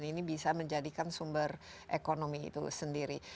ini bisa menjadikan sumber ekonomi itu sendiri